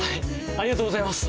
ありがとうございます！